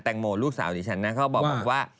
แตงโมลูกสาวที่ฉันน่ะเขาบอกบว่า